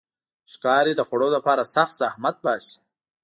ښکاري د خوړو لپاره سخت زحمت باسي.